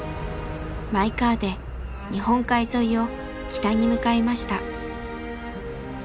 マイカーで日本海沿いを北に向かいました。